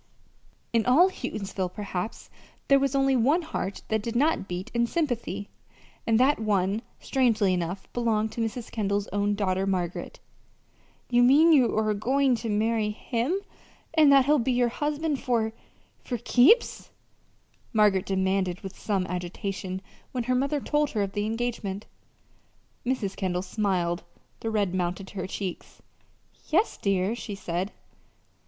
In all Houghtonsville, perhaps, there was only one heart that did not beat in sympathy, and that one, strangely enough, belonged to Mrs. Kendall's own daughter, Margaret. "You mean you are goin' to marry him, and that he'll be your husband for for keeps?" Margaret demanded with some agitation, when her mother told her of the engagement. Mrs. Kendall smiled. The red mounted to her cheek. "Yes, dear," she said.